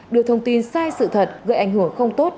đưa thông tin sai sự thật gây ảnh hưởng không tốt